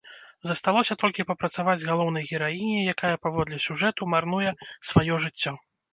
Засталося толькі папрацаваць з галоўнай гераіняй, якая паводле сюжэту марнуе сваё жыццё.